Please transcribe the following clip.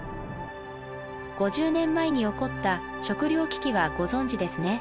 ５０年前に起こった食料危機はご存じですね？